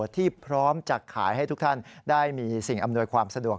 ที่พร้อมจะขายให้ทุกท่านได้มีสิ่งอำนวยความสะดวก